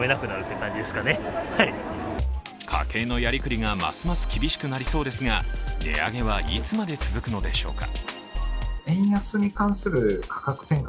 家計のやりくりがますます厳しくなりそうですが値上げはいつまで続くのでしょうか。